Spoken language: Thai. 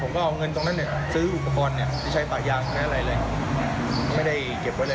ผมก็เอาเงินตรงนั้นซื้ออุปกรณ์ใช้ปะยางอะไรไม่ได้เก็บไว้เลย